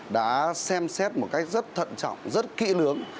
đã xem xét một cách rất thận trọng rất kỹ lưỡng